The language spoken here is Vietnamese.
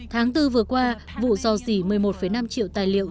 tháng bốn vừa qua vụ dò dỉ một mươi một năm triệu tài liệu